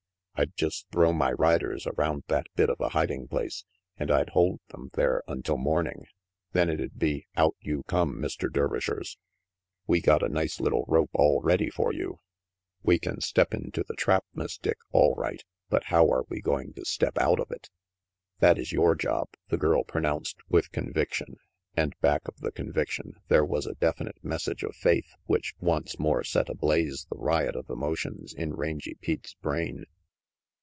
I'd just throw my riders around that bit of a hiding place, and I'd hold them there until morning. Then it'd be, 'Out you come, Mr. Dervishers. We got a nice little rope all ready for you.' We can step 14* RANGY PETE into the trap, Miss Dick, all right, but how are we going to step out of it? " "That is your job," the girl pronounced with conviction; and back of the conviction there was a definite message of faith which once more set ablaze the riot of emotions in Rangy Pete's brain.